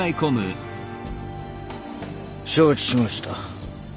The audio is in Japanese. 承知しました。